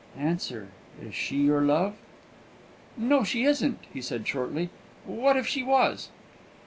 Answer is she your love?" "No, she isn't," he said shortly. "What if she was?"